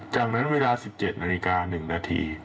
จากนั้นเวลา๑๗นาฬิกา๑นาที